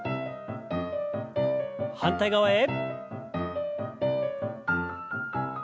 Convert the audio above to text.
反対側へ。